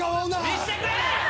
見せてくれ！